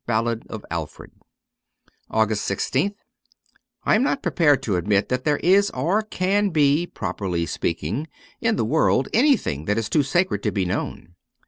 ' Ballad of Alfred.' 253 AUGUST 1 6th 1AM not prepared to admit that there is, or can be, properly speaking, in the world anything that is too sacred to be known.